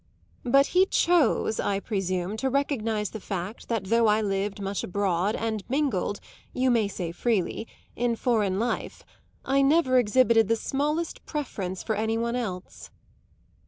But he chose, I presume, to recognise the fact that though I lived much abroad and mingled you may say freely in foreign life, I never exhibited the smallest preference for any one else."